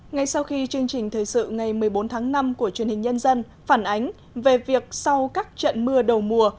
ngay sau khi chương trình thời sự ngày một mươi bốn tháng năm của truyền hình nhân dân phản ánh về việc sau các trận mưa đầu mùa